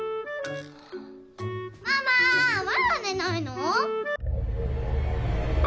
ママまだ寝ないの？